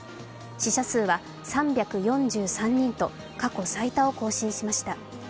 死者数は３４３人と過去最多を更新しました。